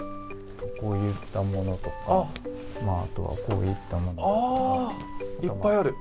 こういったものとかあとはこういったのとかあ、いっぱいある。